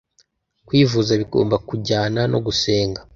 Kwivuza bigomba kujyana no gusenga